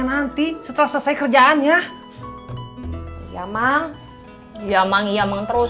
nanti setelah selesai kerjaannya ya mang ya mang ya mengenai terus